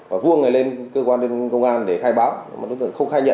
bà vuông này là cũng có mối quan hệ